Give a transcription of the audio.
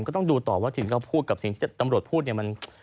ก็ต้องดูต่อว่าสิ่งที่เขาพูดกับสิ่งที่ตำรวจพูดเนี่ย